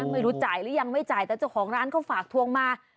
ไม่รู้จ่ายรึยังไม่จ่ายแต่เขาฝากทวงมา